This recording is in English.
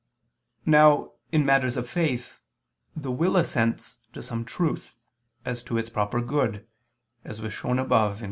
Now, in matters of faith, the will assents to some truth, as to its proper good, as was shown above (Q.